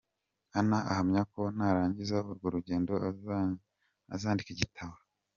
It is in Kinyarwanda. Anna ahamya ko narangiza urwo rugendo azandika igitabo.